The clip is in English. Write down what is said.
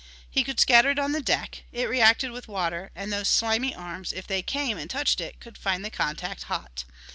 He could scatter it on the deck it reacted with water, and those slimy arms, if they came and touched it, could find the contact hot.